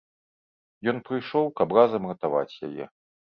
Ён прыйшоў, каб разам ратаваць яе.